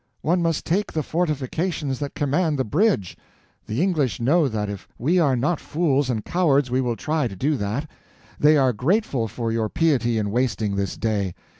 One must take the fortifications that command the bridge. The English know that if we are not fools and cowards we will try to do that. They are grateful for your piety in wasting this day.